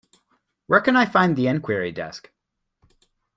Where can I find the enquiry desk?